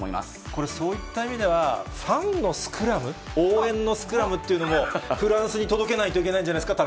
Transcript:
これ、そういった意味では、ファンのスクラム、応援のスクラムっていうのも、フランスに届けないといけないんじゃないですか？